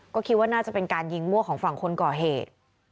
ก็คิดว่าน่าจะเป็นการยิงมั่วของฝั่งคนก่อเหตุ